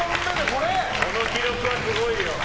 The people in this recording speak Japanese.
この記録はすごいよ。